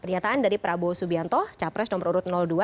pernyataan dari prabowo subianto capres nomor urut dua